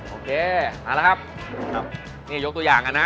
โอเคมาแล้วครับยกตัวอย่างกันนะ